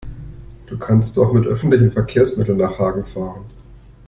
Du kannst doch mit öffentlichen Verkehrsmitteln nach Hagen fahren